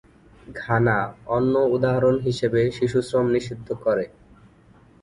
Ghana, অন্য উদাহরণ হিসাবে, শিশুশ্রম নিষিদ্ধ করে।